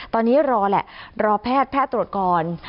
ตอนนี้รอแหละรอแพทย์แพทย์ตรวจก่อน